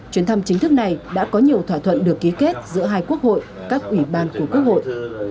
chuyến thăm chính thức này đã có nhiều thỏa thuận được ký kết giữa hai quốc hội các ủy ban của quốc hội